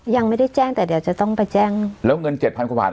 ยังไม่ได้แจ้งแต่เดี๋ยวจะต้องไปแจ้งแล้วเงิน๗๐๐๐บาท